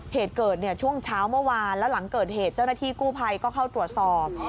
เหตุเกิดเนี่ยช่วงเช้าเมื่อวานแล้วหลังเกิดเหตุเจ้าหน้าที่กู้ภัยก็เข้าตรวจสอบ